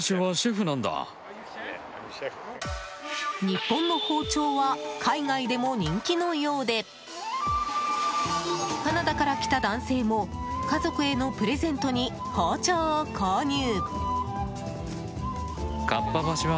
日本の包丁は海外でも人気のようでカナダから来た男性も家族へのプレゼント用に包丁を購入。